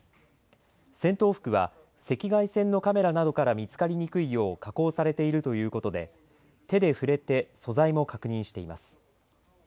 戦闘服は赤外線のカメラなどから見つかりにくいよう加工されているということで手で振れて素材も確認しています。